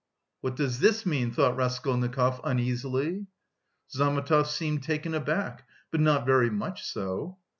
"What does this mean?" thought Raskolnikov uneasily. Zametov seemed taken aback, but not very much so.